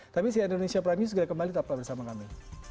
tapi si indonesia prime news kembali tetap bersama kami